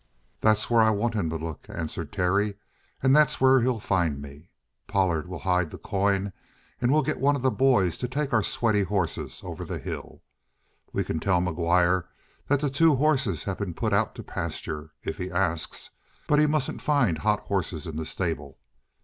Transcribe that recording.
"That's where I want him to look," answered Terry, "and that's where he'll find me. Pollard will hide the coin and we'll get one of the boys to take our sweaty horses over the hills. We can tell McGuire that the two horses have been put out to pasture, if he asks. But he mustn't find hot horses in the stable.